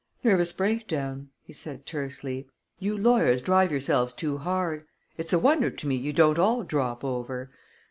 "Nervous breakdown," he said tersely. "You lawyers drive yourselves too hard. It's a wonder to me you don't all drop over.